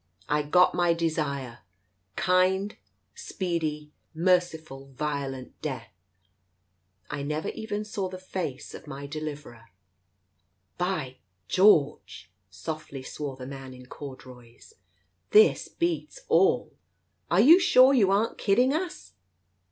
I got my desire— kind, speedy, merciful, violent death. I never even saw the face of my deliverer." "By George!" softly swore the man in corduroys. "This beats all. Are you sure you aren't kidding us?"